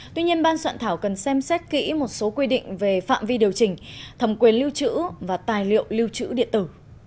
tuy nhiên ban soạn thảo cần xem xét kỹ một số quy định về phạm vi điều chỉnh thẩm quyền lưu trữ và tài liệu lưu trữ điện tử